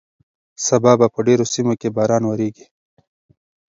سبا به په ډېرو سیمو کې باران وورېږي.